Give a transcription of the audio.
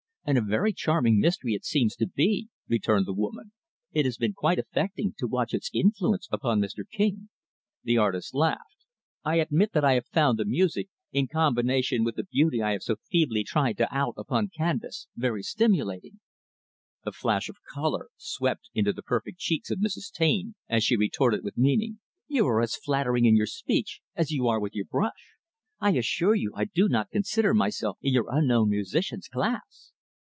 "And a very charming mystery it seems to be," returned the woman. "It has been quite affecting to watch its influence upon Mr. King." The artist laughed. "I admit that I found the music, in combination with the beauty I have so feebly tried to out upon canvas, very stimulating." A flash of angry color swept into the perfect cheeks of Mrs. Taine, as she retorted with meaning; "You are as flattering in your speech as you are with your brush. I assure you I do not consider myself in your unknown musician's class."